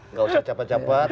nggak usah cepat cepat